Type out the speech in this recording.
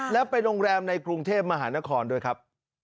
แล้วไปโรงแรมในกรุงเทพมหานครด้วยครับ